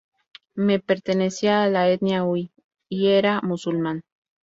Ma pertenecía a la etnia hui y era musulmán.